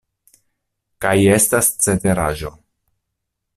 Kaj estas ceteraĵo.